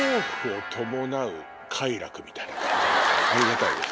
ありがたいです。